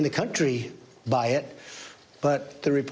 และคนในรัฐไม่ใช้